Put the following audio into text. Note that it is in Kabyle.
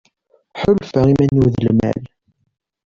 Ḥulfaɣ iman-iw d lmal.